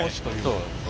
そうです。